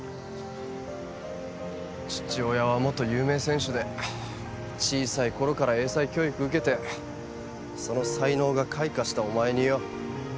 父親は元有名選手で小さいころから英才教育受けてその才能が開花したお前によ。